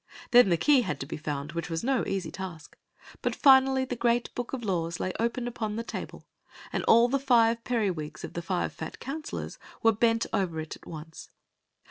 Then the key had to be found, which was no easy task ; but finally the great book of laws lay open upon the table, and all the five periwigs of the five fat counselors were bent over it at once.